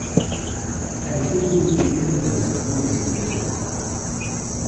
Her Hebrew reading from the siddur is indistinct.